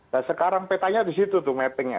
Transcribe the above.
dan sekarang petanya di situ tuh mappingnya